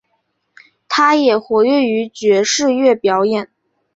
他也活跃于爵士乐表演。